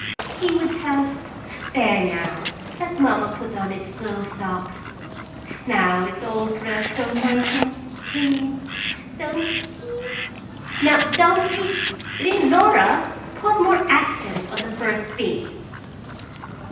"He would have " There now, let mamma put on its little socks. Now it's all dressed so nice and clean. Don'ty ky! No, don'ty! Leonora! Put more accent on the first beat.